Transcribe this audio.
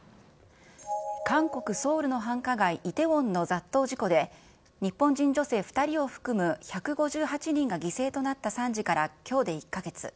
韓国・ソウルの繁華街、イテウォンの雑踏事故で、日本人女性２人を含む１５８人が犠牲となった惨事からきょうで１か月。